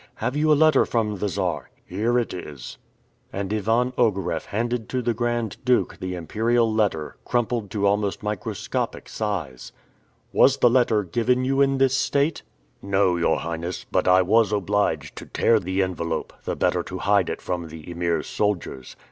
"Have you a letter from the Czar?" "Here it is." And Ivan Ogareff handed to the Grand Duke the Imperial letter, crumpled to almost microscopic size. "Was the letter given you in this state?" "No, your Highness, but I was obliged to tear the envelope, the better to hide it from the Emir's soldiers."